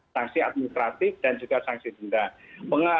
sangsi administratif dan juga sangsi denda